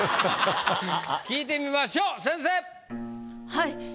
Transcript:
はい。